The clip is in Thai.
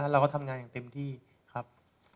เราก็ทำงานอย่างเต็มที่ครับ